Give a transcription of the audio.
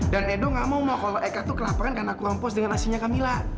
dan edo gak mau mau kalau eka tuh kelaparan karena kurang pos dengan aslinya kamila